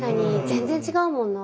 全然違うもんな。